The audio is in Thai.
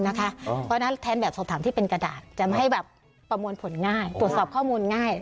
เพราะฉะนั้นแทนแบบสอบถามที่เป็นกระดาษจะไม่ให้แบบประมวลผลง่ายตรวจสอบข้อมูลง่าย